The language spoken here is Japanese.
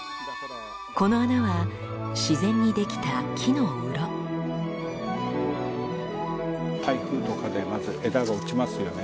この穴は自然にできた台風とかでまず枝が落ちますよね。